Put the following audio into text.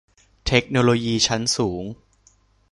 เทคโนโลยีชั้นสูง